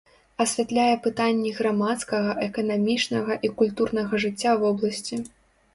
Асвятляе пытанні грамадскага, эканамічнага і культурнага жыцця вобласці.